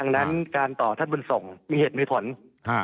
ดังนั้นการต่อท่านบุญส่งมีเหตุมีผล